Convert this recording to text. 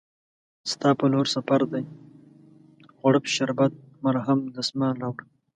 ستا په لورسفردي، غوړپ شربت، مرهم، دسمال راوړه